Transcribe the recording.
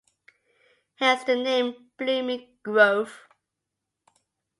Hence the name Blooming Grove.